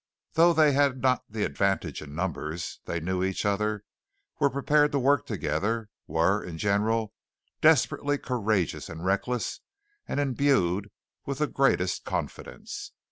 Though they had not the advantage in numbers, they knew each other; were prepared to work together; were, in general, desperately courageous and reckless, and imbued with the greatest confidence.